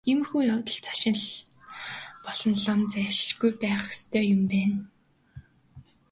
Иймэрхүү явдалд заншил болсон лам хүн зайлшгүй байх ёстой юм байна.